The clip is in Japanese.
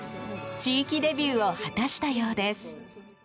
地域デビューを果たしたようです。